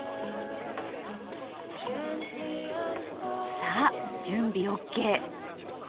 さあ準備ＯＫ。